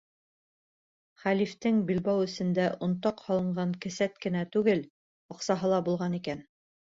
Хәлифтең билбау эсендә онтаҡ һалынған кесәт кенә түгел, аҡсаһы ла булған икән.